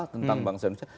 tentang bangsa indonesia